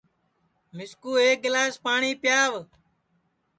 مِسکُو ایک گِلاس پاٹؔی پیاو